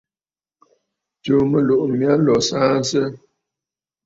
Tsùù mɨlùʼù mya lǒ saansə!